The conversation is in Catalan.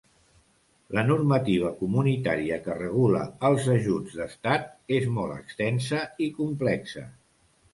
La normativa comunitària que regula els ajuts d'Estat és molt extensa i complexa.